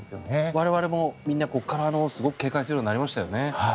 我々もみんなここからすごく警戒するようになりましたよね。